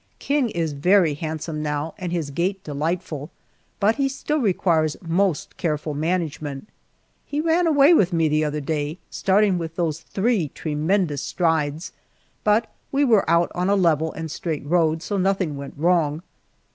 King is very handsome now and his gait delightful, but he still requires most careful management. He ran away with me the other day, starting with those three tremendous strides, but we were out on a level and straight road, so nothing went wrong.